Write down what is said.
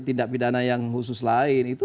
tindak pidana yang khusus lain itu